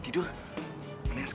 di udah ngomong yuk